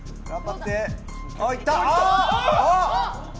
いった！